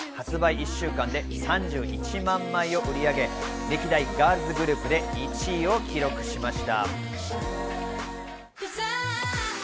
１週間で３１万枚を売り上げ、歴代ガールズグループで１位を記録しました。